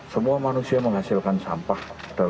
semua manusia menghasilkan sampah